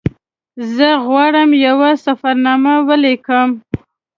زه غواړم یوه سفرنامه ولیکم.